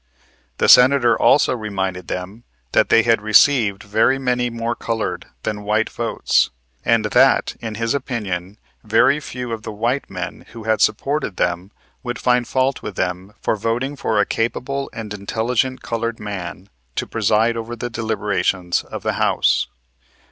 The Senator also reminded them that they had received very many more colored than white votes; and that, in his opinion, very few of the white men who had supported them would find fault with them for voting for a capable and intelligent colored man to preside over the deliberations of the House.